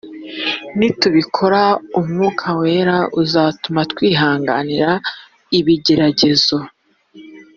nitubikora umwuka wera uzatuma twihanganira ibigeragezo .